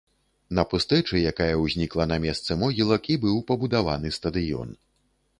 На пустэчы, якая ўзнікла на месцы могілак, і быў пабудаваны стадыён.